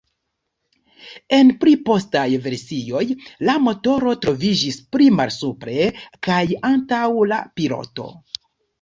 En pli postaj versioj la motoro troviĝis pli malsupre kaj antaŭ la piloto.